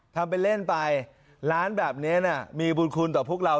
ทำเป็นเล่นไปร้านแบบนี้มีบุญคุณต่อพวกเรา